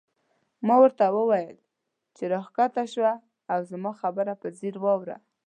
ما ورته وویل چې راکښته شه او زما خبره په ځیر واوره.